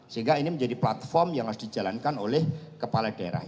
sehingga ini menjadi platform yang harus dijalankan oleh kepala daerah